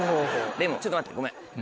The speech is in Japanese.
でもちょっと待ってごめん。